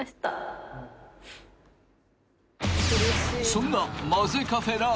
［そんな］